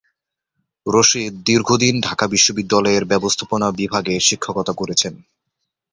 রশীদ দীর্ঘদিন ঢাকা বিশ্ববিদ্যালয়ের ব্যবস্থাপনা বিভাগে শিক্ষকতা করেছেন।